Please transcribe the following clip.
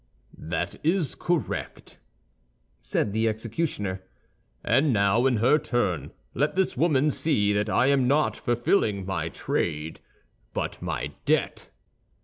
"That is correct," said the executioner; "and now in her turn, let this woman see that I am not fulfilling my trade, but my debt."